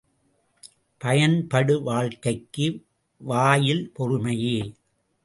பயன்படு வாழ்க்கைக்கு வாயில் பொறுமையே!